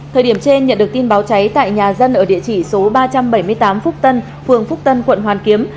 thời điểm trên nhận được tin báo cháy tại nhà dân ở địa chỉ số ba trăm bảy mươi tám phúc tân phường phúc tân quận hoàn kiếm